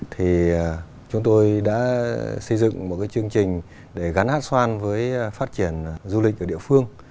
thì chúng tôi đã xây dựng một cái chương trình để gắn hát xoan với phát triển du lịch ở địa phương